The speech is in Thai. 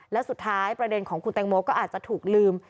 แล้วสุดท้ายประเด็นของคุณแตงโมก็อาจจะถูกลืม